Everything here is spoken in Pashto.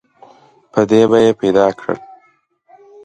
په دې به یې پیدا کړل.